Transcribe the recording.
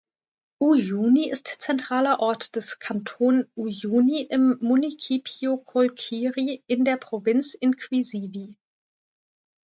Uyuni ist zentraler Ort des Kanton Uyuni im Municipio Colquiri in der Provinz Inquisivi.